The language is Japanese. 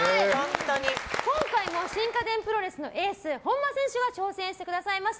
今回も新家電プロレスのエース本間選手が挑戦してくださいました。